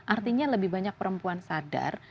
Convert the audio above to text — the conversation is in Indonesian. artinya lebih banyak perempuan sadar